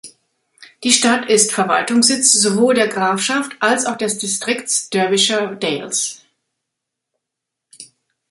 Die Stadt ist Verwaltungssitz sowohl der Grafschaft als auch des Distrikts Derbyshire Dales.